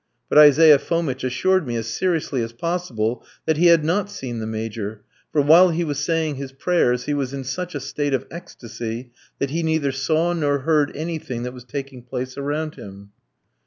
But Isaiah Fomitch assured me as seriously as possible that he had not seen the Major, for while he was saying his prayers he was in such a state of ecstasy that he neither saw nor heard anything that was taking place around him.